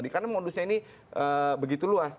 karena modusnya ini begitu luas